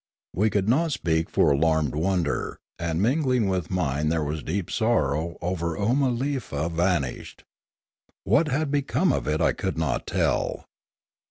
We could not speak for alarmed wonder, and mingling with mine there was deep sorrow over Oomalefa vanished. What had become of it I could not tell.